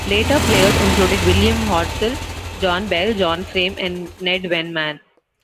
Later players included William Hodsoll, John Bell, John Frame and Ned Wenman.